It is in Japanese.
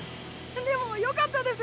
でもよかったです。